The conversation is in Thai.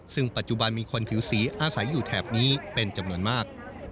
ซึ่งปัจจุบันมีคนผิวสีอาศัยอยู่แถบนี้เป็นจำนวนมาก